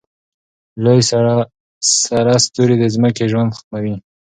لوی سره ستوری د ځمکې ژوند ختموي.